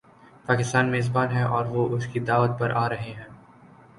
پاکستان میزبان ہے اور وہ اس کی دعوت پر آ رہے ہیں۔